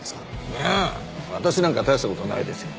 いやあ私なんか大した事ないですよ。